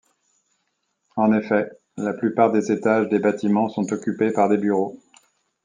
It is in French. En effet, la plupart des étages des bâtiments sont occupés par des bureaux.